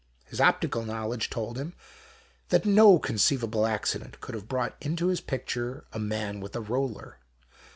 His optical knowledge told him that no conceivable accident could have brought into his picture a man with a roller.